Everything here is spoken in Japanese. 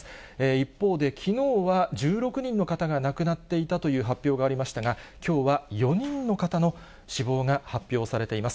一方できのうは１６人の方が亡くなっていたという発表がありましたが、きょうは４人の方の死亡が発表されています。